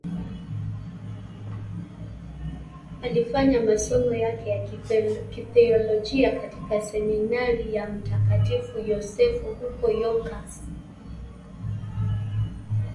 He made his theological studies at Saint Joseph's Seminary in Yonkers.